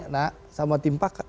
nah sama tim pakat